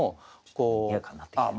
にぎやかになってきてる感じ。